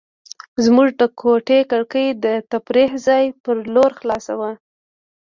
زموږ د کوټې کړکۍ د تفریح ځای په لور خلاصه وه.